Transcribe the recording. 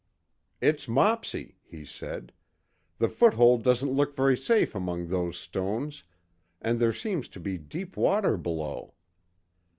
"It's Mopsy," he said. "The foothold doesn't look very safe among those stones, and there seems to be deep water below."